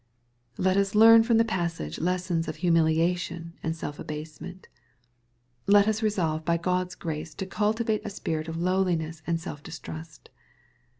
Let us learn from the passage lessons of humiliation and self abasement. Let us resolve by God's grace to cultivate a spirit of lowliness, and self distrust.